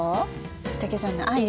すてきじゃない？